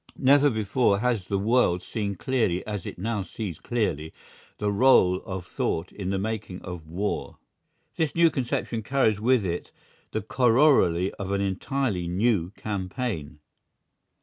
Never before has the world seen clearly as it now sees clearly, the rôle of thought in the making of war. This new conception carries with it the corollary of an entirely new campaign.